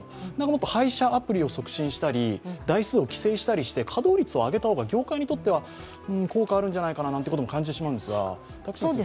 もっと配車アプリを促進したり、台数を規制したりして、稼働率を上げた方が業界にとっては効果があるんじゃないかと考えるんですが。